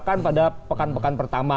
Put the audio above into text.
bahkan pada pekan pekan pertama